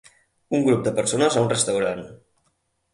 Un grup de persones a un restaurant.